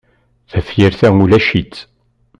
Tafyirt-a ulac-itt.